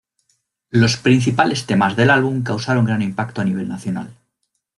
Los principales temas del álbum causaron gran impacto a nivel nacional.